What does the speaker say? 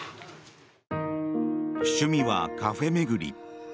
趣味はカフェ巡り。